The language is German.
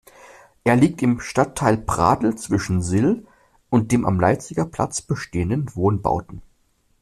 Er liegt im Stadtteil Pradl zwischen Sill und den am Leipziger Platz bestehenden Wohnbauten.